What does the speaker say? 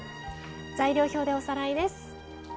材料表でおさらいです。